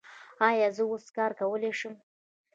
ایا زه اوس کار کولی شم؟